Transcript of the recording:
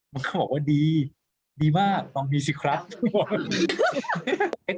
มันก็บอกว่าดีดีมากต้องมีสิครับทุกคน